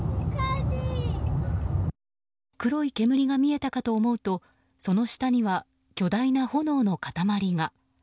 黒い煙が見えたかと思うとその下には、巨大な炎の塊が。